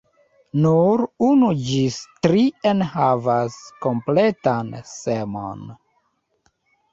Nur unu ĝis tri enhavas kompletan semon.